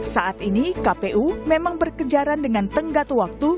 saat ini kpu memang berkejaran dengan tenggat waktu